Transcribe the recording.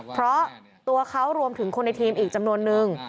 เพราะตัวเขารวมถึงคนในทีมอีกจำนวนนึง